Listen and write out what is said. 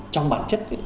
trong bản chất